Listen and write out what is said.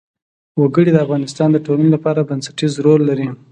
وګړي د افغانستان د ټولنې لپاره بنسټيز رول لري.